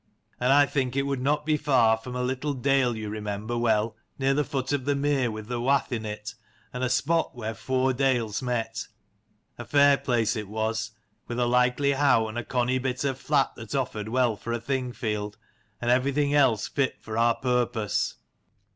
And I think it would not be far from a little dale you remember well, near the foot of the mere with the wath in it, and at a spot where four dales met. A fair place it was, with a likely howe and a conny bit of flat that offered well for a Thing field, and everything else fit for our purpose."